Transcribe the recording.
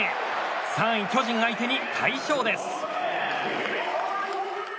３位、巨人相手に快勝です。